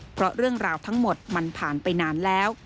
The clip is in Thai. เพราะเรื่องราวทั้งหมดมันผ่านไปนานแล้ว